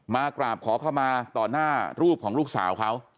มากราบขอเข้ามาต่อหน้ารูปของลูกสาวเขา